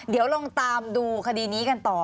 เดี๋ยวลองตามดูคดีนี้กันต่อ